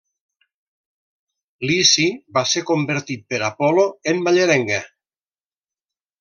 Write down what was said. Lici va ser convertit per Apol·lo en mallerenga.